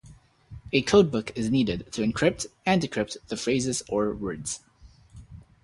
A "codebook" is needed to encrypt, and decrypt the phrases or words.